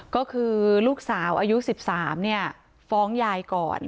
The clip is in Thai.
ก็คือลูกสาวอายุ๑๓ฟ้องยายก่อน